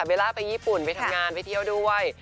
ล่าไปญี่ปุ่นไปทำงานไปเที่ยวด้วย